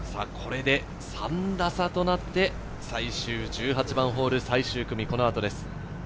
３打差となって最終１８番ホール、最終組、この後です。